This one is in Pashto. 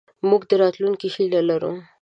موږ د راتلونکې هیله لرو.